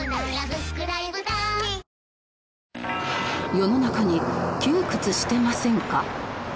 世の中に窮屈してませんか？